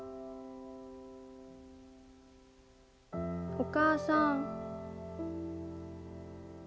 お母さん。